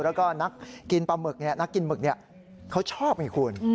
แล้วก็นักกินปลาหมึกนี่เขาชอบอีกคุณ